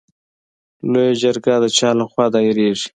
لویه جرګه د چا له خوا دایریږي؟